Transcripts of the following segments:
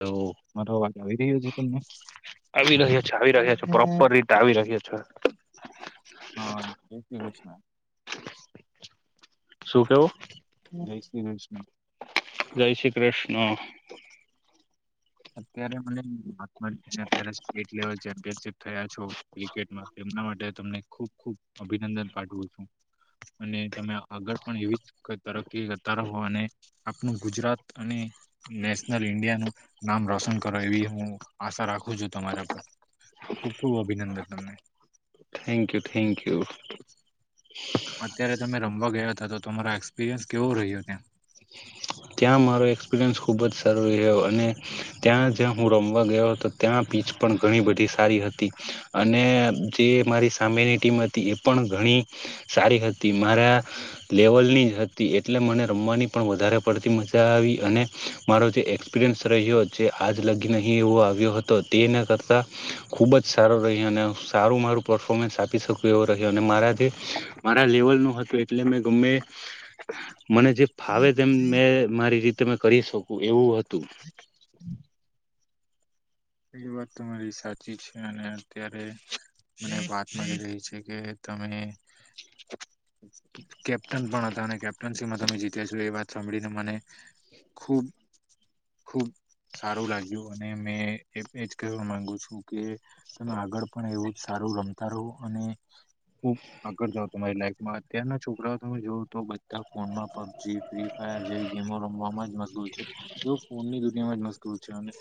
તો મારો અવાજ આવી રહ્યો છે તમને આવી રહ્યા છે આવી રહ્યા પ્રોપર રીટ આવી રહ્ય છે. હા જય શ્રી કૃષ્ણ શું કેવું જય શ્રી કૃષ્ણ જય શ્રી કૃષ ન અત્યારે મનેયારે સેટ લેવલ ચેમ્પયનશીપ થયા છો ક્રિકેટમાં એમના માટે તમને ખુબ ખુબ અભિનંદન પાઠવું છું. અને તમે આગળ પણ એવી જ તરક્કી કરતા રહો અને આપણું ગુજરાત અને નેશનલ ઇન્ડિયાનું નામ રોશન કરો એવી હું આશા રાખું છું તમારા પર ખૂબ ખૂબ અભિનંદન તમને થેન્ક યુ થેન્ક યુ અત્યારે તમે રમવા ગયા હતા તો તમારા ત્યાં મારો એક્સપિરિયન્સ ખુબ જ સારો રહ્યો અને ત્યાં જ્યાં હું રમવા ગયો હતો ત્યાં પીચ પણ ઘણી બધી સારી હતી. અને જે મારી સામેની ટીમ હતી એ પણ ઘણી સારી હતી મારા લેવલ ની હ તી એટલે મને રમવાની પણ વધારે પડતી મજા આવી અને મારો જે એક્સપિરિયન્સ રહ્યો જે આજ લગી નહીં એવો આવ્યો હતો તેના કરતાં ખૂબ જ સારો રહી અને સારું મારું પફોમન્સ આપી શકુ એવો રહ્યો અને મારા જે મારા લેવલ નું હતું એટલે મેં ગમે મને જે ફાવે તેમ મેં મારી રીતે મે કરી શકું એવું હતું. [inaudible] એ વાત તો મારી સાચી છે અને અત્યારે મને વાત મલી રહી છે કે તમે કેપ્ટન પણ હતા અને કેપ્ટનશીમાં તમે જીત્યા છો એ વાત સાંભળીને મને ખુબ ખુબ સારું લાગ્યું અને મેં એ એજ કહેવા માંગુ છું કે તમે આગળ પણ એવું જ સારું રમતા રહો અને ખુબ આગળ જાવ તમારી લાઈફમાં અત્યરના છોકરાઓ તમે જોવઓ તો બધા ફોનમાં પબજી ફ્રી ફાયર જેવી ગેમો રમવામાં જ મુશગુલ છે તે ફોનની દુનિયામાં જ મુશકુલ છે અને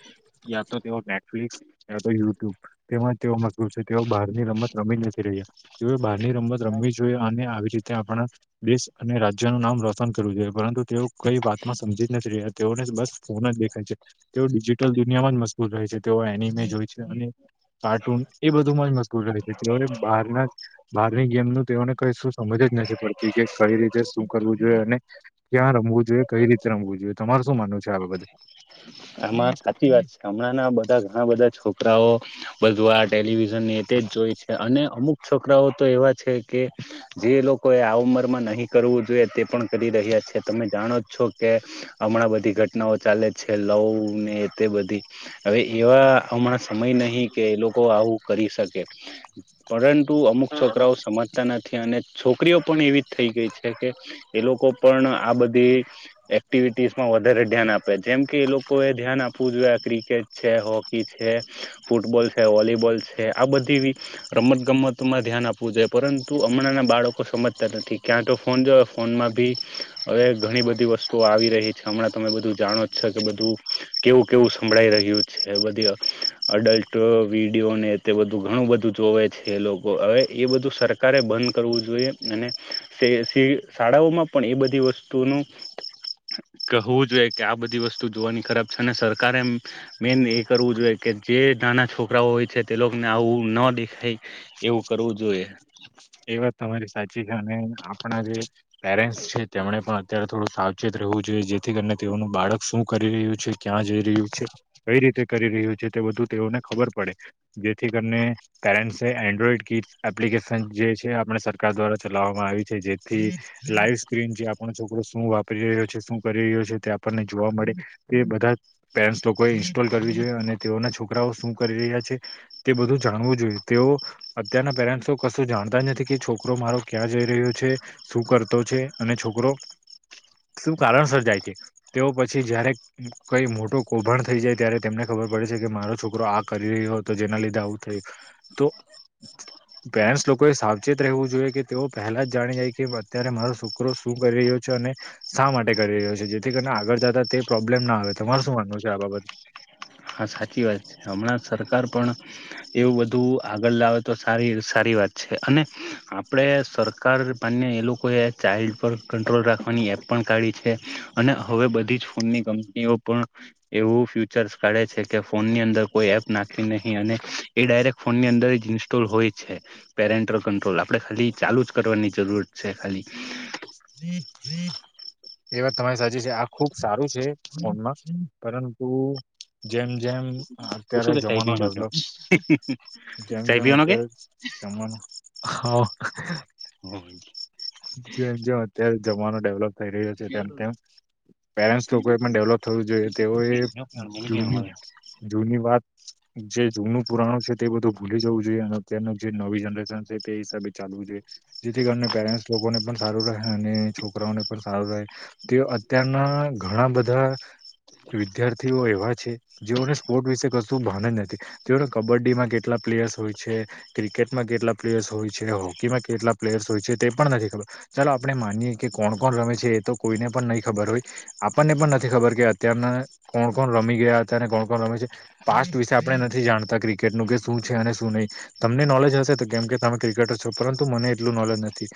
યા તો તેઓ નેટફ્લિકસ તો યુટ્યુબ તેજ તેઓ મજબૂર છે તેઓ બહારની રમત રમી નથી રહ્યા તેઓ ની રમત રમવી જોઈએ અને આવી આપણા દેશ અને રાજ્યનું નામ રોશન કરવું જોઈએ પરંતુ તેઓ કઈ વાતમાં સમજી જ નથી રહ્યા તેઓ બસ ફોન જ દેખાય છે તેઓ ડિજિટલ દુનિયામાં મજબૂર હો છે તેઓ એનિમેજ હોય છે અને કાર્ટૂન એ બધું માં જ મશગુલ રહે છે તેઓને બહારના બહારની ગેમનું તેઓને કઈ શું સમજ નથી પડતી કે કઈ રીતે શું કરવું જોઈએ અને ક્યાં રમવું જોઈએ કઈ રીતે રમવું જોઈએ તમાર શું [unintelligible] આમાં સાચી વાત છે હમણાંના બધા ઘણા બધા છોકરાઓ બધું આ ટેલિવિઝન ની તે જ જોઈ છે અને અમુક છોકરાઓ તો એવા છે કે જે લોકો એ આ ઉંમર માં નહી કરવું જોઈએ તે પણ કરી રહ્યા છે તમે જાણો છો કે હમણાં બધી ઘટનાઓ ચાલે છે લવ ને તે બધી હવે એવા હમણાં સમય નહિ કે એ લોકો આવું કરી શકે. પરંતુ અમુક છોકરાઓ સમજતા નથી અને છોકરીઓ પણ એવી જ થઈ ગઈ છે કે એ લોકો પણ આ બધી એક્ટિવિટીસ માં વધારે ધ્યાન આપે જેમ કે એ લોકો એ ધ્યાન આપવું જોઈએ. ક્રિકેટ છે, હોકી છે, ફૂટબોલ છે, વોલીબોલ છે આ બધી રમત ગમતમાં ધ્યાન આપવું જોઈ. પરંતુ હમણાં ના બાળકો સમજતા નથી ક્યાં તો ફોન જો ફોનમાં ભી હવે ઘણી બધી વસ્તુઓ આવી રહી છે હમણાં તમે બધું જાણો કે બધું કેવું કેવું સંભળાઈ રહ્યું છે. બધી અડલ્ટ વિડીયોને તે બધું ઘણું બધું જોવે છે એ લોકો હવે એ બધું સરકારે બંધ કરવું જોઈએ અને સે સે શાળાઓમાં પણ એ બધી વસ્તુનું કહવું જોઈએ કે આ બધું બધી વસ્તુ જોવાની ખરાબ છે અને સરકારે મેન એ કરવું જોઈએ કે જે નાના છોકરાઓ હોય છે તે લોકોને આવું ન દેખાય એવું કરવું જોઈએ. એ વાત તમારી સાચી છે અને આપણા જે પેરેન્ટ્સ છે તેમને પણ અત્યારે થોડું સાવચેત રહેવું જોઈએ. જેથી કરીને તેઓનું બાળક શું કરી રહ્યું છે, ક્યાં જઈ રહ્યું છે, કઈ ર કરી રહ્યું છે તે બધું તેઓને ખબર પડે જેથી કરીને પેરેન્ટ એન્ડ્રોઈડ ગી એપ્લિકેશન જે છે આપણે સરકાર દ્વારા ચલાવવામાં આવી છે. જેથી લાઈવ સ્ક્રીન જે આપણો છોકરો શું વાપરી રહ્યો છે શું કરી રહયો છે આપને જોવા મળે તે બધા પે લોકો ઇન્સ્ટોલ કરવી જોઈએ અને તેઓ છોકરાઓ શું કરી રહ્યા છે તે બધું જાણવું જોઈએ તેઓ અત્યારના પેરેન્ટસ કશું જાણ તા નથી કે છોકરો મારો ક્યાં જઈ રહ્યો છે, શું કરતો છે અને છોકરો શું કારણ સર્જાય છે. તેઓ પછી જયારે કઈ મોટો કૌભાંડ થઈ જાય ત્યારે તેમને ખબર ખર પડે છે કે મારો છોકરો આ કરી રહ્યો હતો જેના લીધે આવું થયુ તો પેરસ લોક કોઈ સાવચેત રહેવું જોઈએ કે તેઓ પહેલા જ જાણી જાય કે અત્યારે મારો શુક્રો શું કરી રહ્યો છે અને શા માટે કરી રહ્યો છે. જેથી કરીને આગળ જતા તે પ્રોબ્લેમ ના આવે. તમારે શું માનવું છે આ બાબત? હા સાચી વાત છે, હમણાં સરકાર પણ એવું બધું આગળ લાવે તો સારી સારી વાત છે અને આપણે સરકાર માન્ય એ લોકોએ ચાઇલ્ડ પર કંટ્રોલ રાખવાની એપ પણ કાઢી છે અને હવે બધી જ ફોનની કંપનીઓ પણ એવું ફ્યુચર કરે છે કે ફોનની અંદર કોઈ એપ નાખવી નહી અને એ ડાયરેક્ટ ફોનની અંદર જ ઇન્સ્ટોલ હોય છે. પેરેન્ટ કટ્રોલ આપડે ખાલી ચાલુ જ કરવાની જરૂર છે ખાલી. એ વાત તમારી સાચી છે આ ખુબ સારું છે ફોનમાં પરંતુ જેમ જેમ તું શું અત્યારે કે ચાય જમાનો પીવાનો છે ડેવલોપ જેમ ચાય જેમ પીવાનો કે અત્યારે હા. [unintelligible] જેમ જેમ અત્યારે જમાનો ડેવલોપ થઈ રહ્યો છે તેમ તેમ પેરેન્ટ્સ લોકોએ પણ ડેવલોપ થવું જોઈએ. તેઓએ જૂની જૂની વાત જે જૂનું પુરાણું છે તે બધું ભૂલી જવું જોઈએ અને અત્યારનું જે નવી જનરેશન છે તે હિસાબે ચાલવું જોઈ જેથી કરી પેરેન્ટ પણ સારું રહે અને છોકરાઓને પણ સારું રહે તે અત્યારના ઘણા બધા વિદ્યાર્થીઓ એવા છે. જેઓને સ્પોર્ટ વિશે કશ શું ભાન જ નથી તેઓને કબડ્ડીમાં કેટલા પ્લેયર્સ હોય છે, ક્રિકેટમાં કેટલા પ્લેયર્સ હોય છે, હો હોકીમાં કેટલા પ્લેયર્સ હોય છે તે પણ નથી ખબર ચાલો આપણે માનીએ કે કોણ કોણ રમે છે. એ તો કોઈને પણ નહી ખબર હોય આપણને પણ નથી ખબર કે અત્યારને કોણ કોણ રમી ગયા હતા અને કોણ કોણ રમી છે પાસ્ટ વિશે આપણે નથી જાણતા ક્રિકેટ કે શું છે અને શું નહી તમને નોલેજ હશે તો કેમ કે તમે ક્રિકેટર છો પરંતુ મને એટલું નોલેજ નથી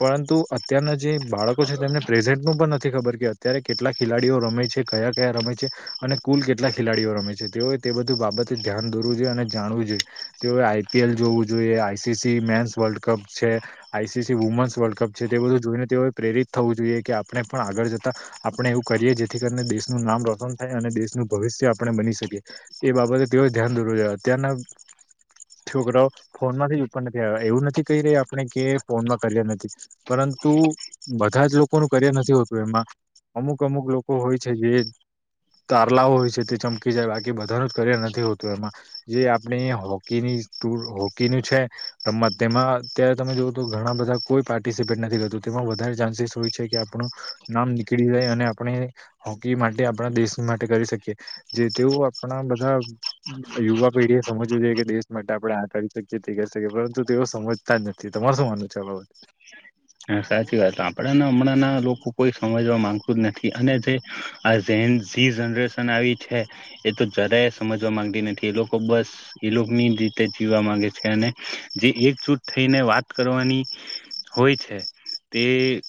પરંતુ અત્યારના જે બાળકો છે તેમને પ્રેઝન્ટનું પણ નથી થી ખબર કે અત્યારે કેટલા ખેલાડીઓ રમે છે, કયા કયા રમે છે અને કુલ કેટલા ખેલાડીઓ રમે છે તેઓ તે બધું બાબતે ધ્યાન દોરવું જોઈએ અને જાણવું જોઈએ. તેઓએ આઈ પી એલ જોવું જોઈએ I C C men's world cup છે IC CC women's world cup છે તે બધું જોઈને તેઓએ પ્રેરિત થવું જોઈએ કે આપણે પણ આગળ જતા આપણે એવું કરીએ જેથી કરીને દેશનું નામ રોશન થાય અને દેશનું ભવિષ્ય આપણે બની શકીએ એ બાબતે તેઓ ધ્યાન દોરજ અત્યારના છોકરાઓ ફોનમાંથી જ ઉપર નથી આવ્યા એવું નથી કહી રહી આપણે કે ફોનમાં કરયર નથી પરંતુ બધા જ લોકોનુ કરયર નથી હોતું એમાં અમુક અમુક લોકો હોય છે જે તારલાઓ હોય છે તે ચમકી જાય બાકી બધાનું જ કરયર નથી હોતું એમાં જે આપણે હોકીની હોકીનું છે રમત તેમાં અત્યારે તમે જો તો ઘણા બધા કોઈ પાર્ટિસિપેટ નથી કરતું તેમાં વધારે ચાન્સીસ હોય છે કે આપણું નામ નીકળી જાય અને આપણે હોકી માટે આપણા દેશ માટે કરી શકીએ જે તેઓ આપણા બધા યુવા પેઢીએ સમજવું જોઈએ કે દેશ માટે આપણે આ કરી શકીએ તે કરી શકીએ પરંતુ તેઓ સમજતા જ નથી. તમારે શું માનવું છે બા હા સાચી વાત આપડે હમણાં ના લોકો કોઈ સમજવા માંગતું જ નથી અને જે આ જી જનરેશન આવી છે એ તો જરા એ સમજવા માંગતી નથી એ લોકો બસ એ લોકોની રીતે જીવવા માંગે છે. અને જે એકજૂથ થઈને વાત કરવાની હોય છે તે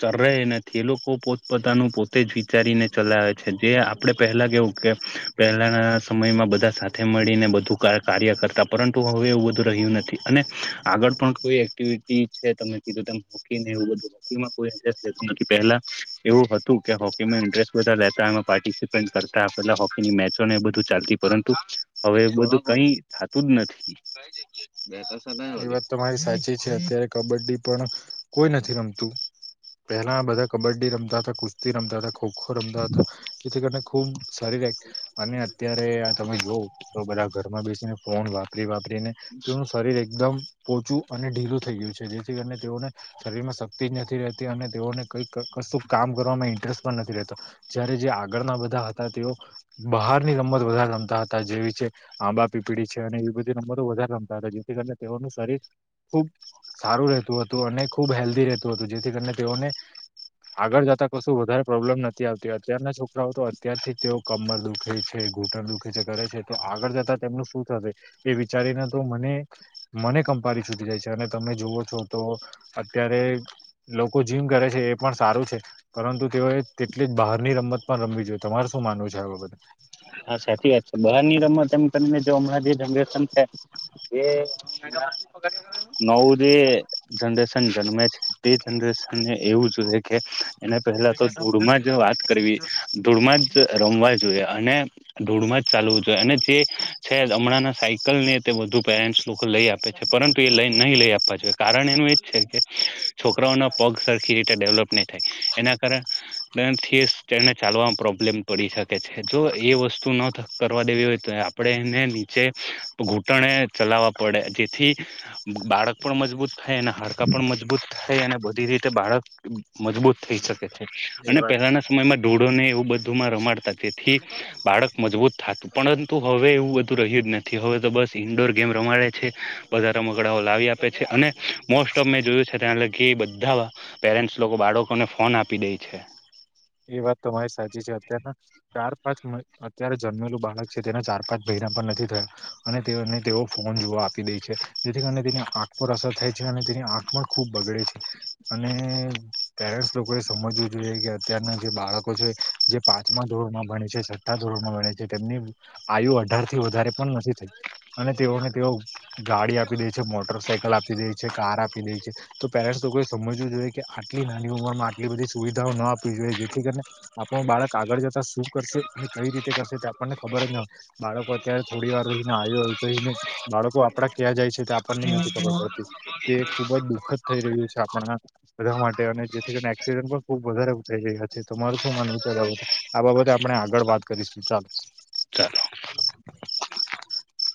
જરાય નથી એ લોકો પોતપતાનું પોતે જ વિચારીને ચલાવે છે જે આપડે પહેલા કેવુકે પહેલાના સમયમાં બધા સાથે મળીને બધું કાર્ય કરતા પરંતુ હવે એવુ બધું રહ્યું નથી અને આગળ પણ કોઈ એક્ટિવિટી છે તમે કીધું તેમ હોકીને એવું બધું હોકીમાં ઇન્ટરેસ્ટ લેતુ નથી પેલા એવું હતું કે હોકીમાં ઇન્ટરેસ્ટ લેતા પ્રાટીસીપેનટ કર તા પેલા હોકીની મેચો ને એ બધું ચાલતી પરંતુ હવે બધું કઈ થતું જ નથી. [unintelligible] એ વાત તો તમારી સાચી છે અત્યારે કબડ્ડી પણ કોઈ નથી રમતું પેલા બધા કબડ્ડી રમતા હતા કુસ્તી રમતા ખોખો રમતા હતા જેથી કરીને ખુબ સારી અને અત્યારે તમે જોવ તો બધા ઘરમાં બેસીને ફોન વાપરી વાપરીને તેનું શરીર એક એકદમ પોચું અને ઢીલું થઈ ગયું છે જેથી કરીને તેઓને શરીરમાં શક્તિ જ નથી રહેતી અને તેઓને કઈક કશુ કામ કરવામાં ઇન્ટરેસ્ટ પણ નથી રહેતો જ્યારે જે આગળના બધા હતા તેઓ બહારની રમત વધારે રમતા હતા જેવી છે આંબા પીપળી છે અને એવી બધી રમતો વધારે રમતા હતા જેથી કરીને તેઓનું શરીર ખૂબ સારું રહેતું હતું અને ખૂબ હેલ્ધી રહેતું હતું જેથી કરીને તેઓને આગળ જતા કશું વધારે પ્રોબ્લેમ નથી આવતી અત્યારના છોકરાઓ તો અત્યારથી જ તેઓ કમર દુંખે છે. ઘૂટણ દુંખે છે કરે છે તો આગળ જતા તેમનું શું થશે એ વિચારીને તો મને મને કંપારી સુધી જાય છે અને તમે જુવ છો તો અત્યારે લોકો જીમ કરે છે. એ પણ સારું છે. પરંતુ તેઓએ તેટલી જ બહારની રમત પણ રમવી જોઈએ તમારે શું માનવું છે આ બાબતે હા સાચી વાત છે બહારની રમત એમ તમે જોવો હમણાં જે જનરેશન છે. જે નવ જે જનરેશન જન્મે છે તે જનરે શનને એવું જોએ કે એને પહેલા તો ધૂળમાં જ વાત કરવી ધૂળમાં જ રમવા જોઈએ અને ધૂળમાં જ ચાલવું જોઈએ અને જે છે હમણાંના સાયકલ ને તે વધુ પેરેન્ટ્સ લોકો લઈ આપે પરંતુ એ લઈ નહીં લઈ આપવા જોઈએ કારણ એનું એ જ છે કે છોકરાઓના પગ સરખી રીતે ડેવલપ એના કારણથીને ચાલવામાં પ્રોબ્લેમ પડી શકે છે જો એ વસ તુ ન કરવા દેવી હોય તો આપણે એને નીચે ઘૂંટણે ચલાવવા પડે જેથી બાળક પણ મજબૂત થાય અને હાડકા પણ મજબૂત થાય અને બધી રીતે બાળક મજબૂત થઈ શકે છે એ અને વાત પેલાના સમયમાં ઢુંળો ને એવું બધુંમાં રમાડતા તેથી બાળક મજબૂત થતું પરંતુ હવે એવું બધું રહ્યું જ નથી હવે તો બસ ઇન્ડોર ગેમ રમાડે છે. બંધા રમકડાઓ લાવી આપે છે અને મોસ્ટ ઓફ મેં જોયું છે ત્યા લગી બધા પેરેન્ટસ લોકો બાળકોને ફોન આપી દેય છે. [inaudible] એ વાત તમારી સાચી છે અત્યારના ચાર પાંચ અત્યારે જન્મેલું બાળક છે તેના ચાર પાંચ વર્ષના નથી થયા અને તેઓ ફોન જોવા આપી દે છે જેથી કાર તેની આંખ પર અસર થાય છે અને ની આંખમાં ખૂબ બગડે છે અને પેરેન્ટ્સ લોકોએ સમજવું જોઈએ કે અત્યારના બાળકો છે જે પાંચમા ધોરણમાં ભણે છે છઠ્ઠા ધોરમાં ભણે છે તેમની આયુ અઢાર થી વધારે પણ નથી થઈ અને તેઓને તેઓ ગાડી આપી દે છે મોટર સાઇકલ આપી દે છે કાર આપી દે છે તો પેરેન્ટસ લોકોએ સમજવું જોઈએ કે આટલી નાની ઉંમરમાં આટલી બધી સુવિધાઓ ન આપવી જોઈએ જે કરીને આપણું બાળક આગળ જતા શું કરશે અને કઈ રીતે કરશે તે આપણને ખબર જ ન હોય બાળકો અત્યારે થોડી વાર રહીને આવ્યો એવુ કહીને બાળકો આપડા ક્યાં જાય છે આપણને નથી ખબર પડતી તે ખુબ જ દુઃખદ થઈ રહ્યું છે આપણા બધા માટે અને જેથી કરીને એક્સિડન્ટ પણ ખુબ વધારે થઈ રહ્યા છે તમારું શું માનવું છે આ બાબતે આ બાબતે આપણે આગળ વાત કરીશું ચાલ [inaudible]